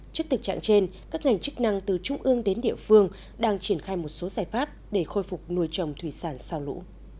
trước thực trạng trên các ngành chức năng từ trung ương đến địa phương đang triển khai một số giải pháp để khôi phục nuôi trồng thủy sản sau lũ